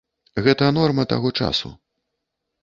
Гэта норма таго часу.